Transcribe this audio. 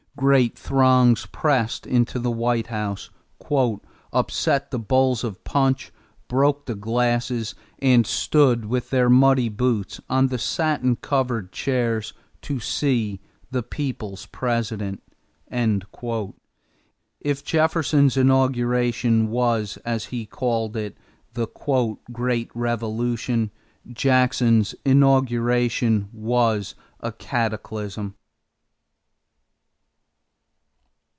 Great throngs pressed into the White House, "upset the bowls of punch, broke the glasses, and stood with their muddy boots on the satin covered chairs to see the people's President." If Jefferson's inauguration was, as he called it, the "great revolution," Jackson's inauguration was a cataclysm.